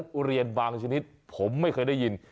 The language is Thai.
ทุเรียนบางชนิดผมไม่เคยได้ยิน